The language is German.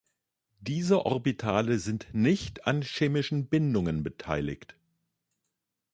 Diese Orbitale sind nicht an chemischen Bindungen beteiligt.